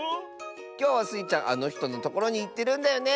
きょうはスイちゃんあのひとのところにいってるんだよね！